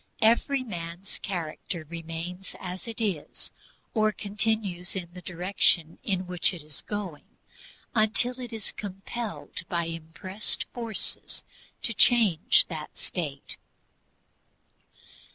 Every man's character remains as it is, or continues in the direction in which it is going, until it is compelled by impressed forces to change that state.